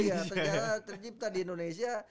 iya sejarah tercipta di indonesia